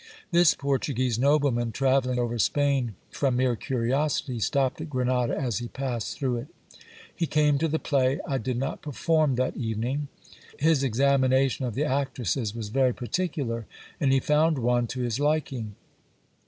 This Portu guese nobleman, travelling over Spain from mere curiosity, stopped at Grenada as he passed through it He came to the play. I did not perform that even ing. His examination of the actresses was very particular, and he found one to his liking.